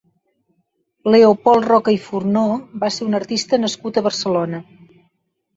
Leopold Roca i Furnó va ser un artista nascut a Barcelona.